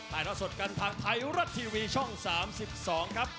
เราสดกันทางไทยรัฐทีวีช่อง๓๒ครับ